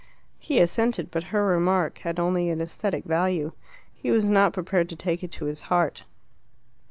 He assented, but her remark had only an aesthetic value. He was not prepared to take it to his heart.